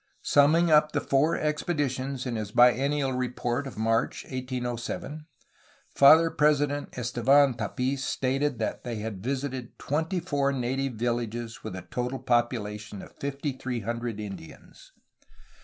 Summing up the four expeditions in his bi ennial report of March 1807, Father President Estevan Tapis stated that they had visited twenty four native villages with a total population of fifty three hundred Indians.